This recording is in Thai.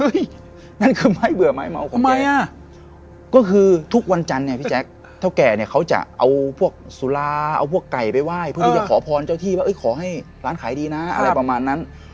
นั่นคือไม้เบื่อไม้เหมาก่อนทำไมอ่ะก็คือทุกวันจันทร์เนี่ยพี่แจ๊คเท่าแก่เนี่ยเขาจะเอาพวกสุราเอาพวกไก่ไปไหว้เพื่อที่จะขอพรเจ้าที่ว่าขอให้ร้านขายดีนะอะไรประมาณนั้น